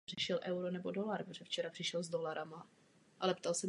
Postupně zmizela i dříve tolik výrazná punková image jednotlivých členů.